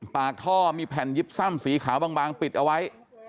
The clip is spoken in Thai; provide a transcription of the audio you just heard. ปากท่อมีแผ่นยิบซ่ำสีขาวบางปิดเอาไว้